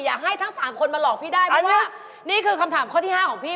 อยากให้ทั้งสามคนมาหลอกพี่ได้เพราะว่านี่คือคำถามข้อที่๕ของพี่